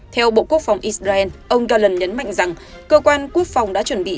theo bộ quốc phòng israel ông gallan nhấn mạnh rằng cơ quan quốc phòng đã chuẩn bị